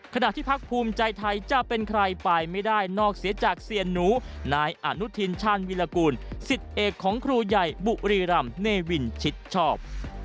ขณะที่พักภูมิใจไทยจะเป็นใครไปไม่ได้นอกเสียจากเซียนหนูนายอนุทินชาญวิรากูลสิทธิ์เอกของครูใหญ่บุรีรำเนวินชิดชอบ